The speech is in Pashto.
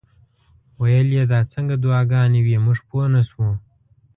ویل یې دا څنګه دعاګانې وې موږ پوه نه شو.